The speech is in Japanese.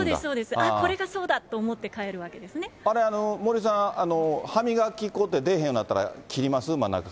あっ、これがそうだと思って買えあれ、森さん、歯磨き粉って出えへんようになったら切ります？